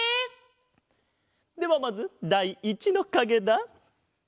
ではまずだい１のかげだ。